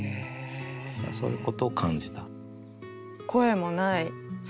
そういうことを感じた。